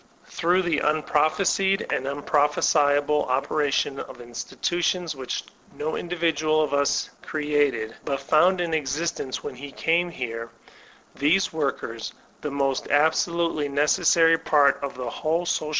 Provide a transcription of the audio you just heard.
Through the unprophesied and unprophesiable opera tion of institutions which no individual of us created, but found in existence when he came here, these workers, the most absolutely necessary part of the whole soda!